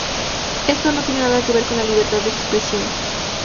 Esto no tiene nada que ver con la libertad de expresión.